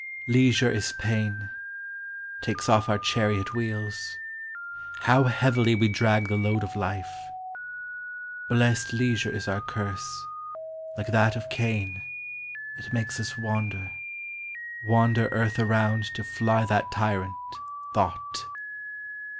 Leisure is pain ; takes off our chariot wheels : How heavily we drag the load of life ! Blest leisure is our curse : like that of Cain, It makes us wander ; wander earth around To fly that tyrant, Thought.